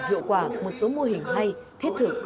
hiệu quả một số mô hình hay thiết thực